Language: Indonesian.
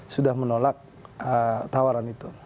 sudah menolak tawaran itu